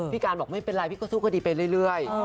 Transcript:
การบอกไม่เป็นไรพี่ก็สู้คดีไปเรื่อย